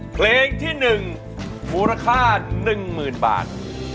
เพลงที่๑มูลค่า๑๐๐๐บาท